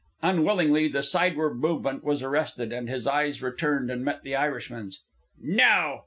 Unwillingly the sideward movement was arrested, and his eyes returned and met the Irishman's. "Now!"